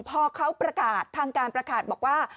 พอเขาประกาศทางการประกาศบอกว่า